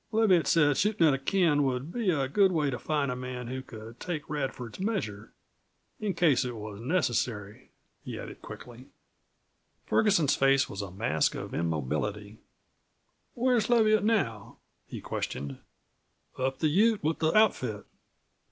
Leviatt said shootin' at a can would be a good way to find a man who could take Radford's measure in case it was necessary," he added quickly. Ferguson's face was a mask of immobility. "Where's Leviatt now?" he questioned. "Up the Ute with the outfit."